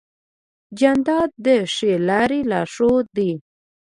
جانداد د ښې لارې لارښود دی.